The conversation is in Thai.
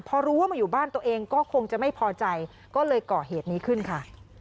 พอรู้ว่ามาอยู่บ้านตัวเองก็คงจะไม่พอใจก็เลยก่อเหตุนี้ขึ้นค่ะ